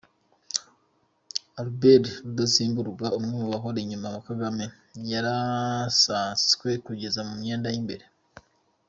Albert Rudatsimburwa, umwe mu bahora inyuma ya Kagame yarasatswe kugeza mu myenda y’imbere!